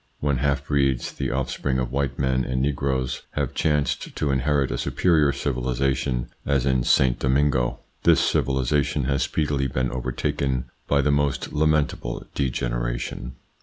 When half breeds, the off spring of white men and negroes, have chanced to inherit a superior civilisation, as in Saint Domingo, ITS INFLUENCE ON THEIR EVOLUTION 53 civilisation has speedily been overtaken by the >t lamentable degeneration.